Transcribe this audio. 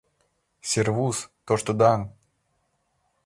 — Сервус, тоштыдаҥ!